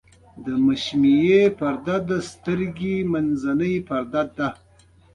د مشیمیې پرده د سترګې منځنۍ پرده ده.